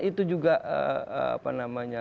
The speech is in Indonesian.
itu juga apa namanya